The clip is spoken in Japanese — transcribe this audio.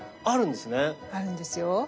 あるんですよ。